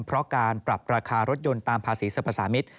เพราะการปรับราคารถยนต์ตามภาษีสรรพสามิตร